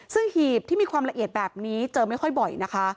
ซึ่งหีบที่มีความละเอียดแบบนี้เจอไม่ค่อยบ่อยนะคะ